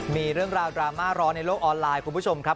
มีเรื่องราวดราม่าร้อนในโลกออนไลน์คุณผู้ชมครับ